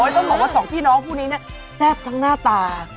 ต้องบอกว่าสองพี่น้องคู่นี้เนี่ยแซ่บทั้งหน้าตา